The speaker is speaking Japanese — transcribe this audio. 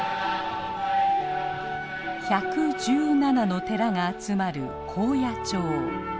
１１７の寺が集まる高野町。